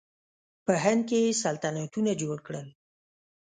په هند کې یې سلطنتونه جوړ کړل.